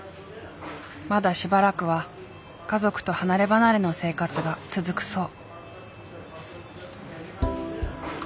まだしばらくは家族と離れ離れの生活が続くそう。